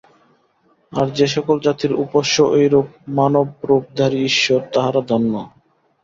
আর যে-সকল জাতির উপাস্য এইরূপ মানবরূপধারী ঈশ্বর, তাহারা ধন্য।